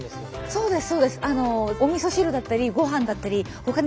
そうです。